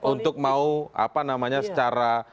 untuk mau secara